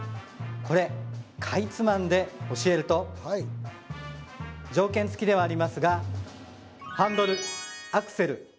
これかいつまんで教えると条件付きではありますがハンドルアクセル